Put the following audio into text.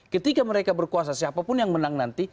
ketika mereka berkuasa siapapun yang menang nanti